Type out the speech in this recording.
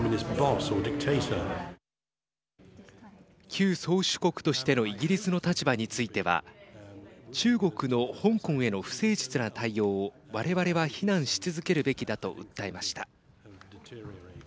旧宗主国としてのイギリスの立場については中国の香港への不誠実な対応をわれわれは非難し続けるべきだと訴えました。